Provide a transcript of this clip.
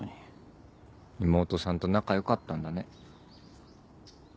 妹さんと仲良かったんだね。